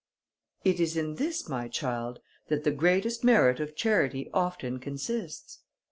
"It is in this, my child, that the greatest merit of charity often consists.